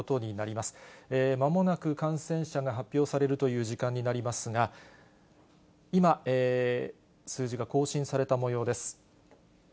まもなく感染者が発表されるという時間になりますが、今、数字が更新されたもようです。